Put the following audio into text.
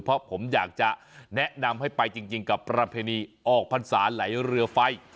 เพราะผมอยากจะแนะนำให้ไปจริงกับประเพณีออกพรรษาไหลเรือไฟ